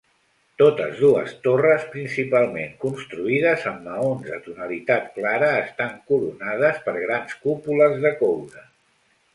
Totes dues torres, principalment construïdes amb maons de tonalitat clara, estan coronades per grans cúpules de coure.